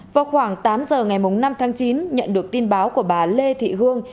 vào khoảng tám giờ ngày năm tháng chín nhận được tin báo của bà lê thị hương